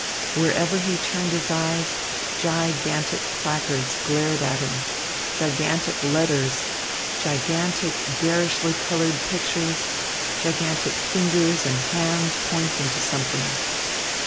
Wherever he turned his eyes, gigantic placards glared at him, gigantic letters, gigantic, garishly coloured pictures, gigantic fingers and hands pointing to something.